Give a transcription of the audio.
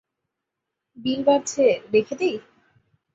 বিল বাড়ছে রেখে দেই?